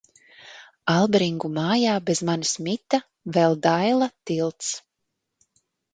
Alberingu mājā bez manis mita vēl Daila Tilts.